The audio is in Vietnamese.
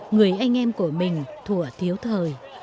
người anh em của mình thủa thiếu thời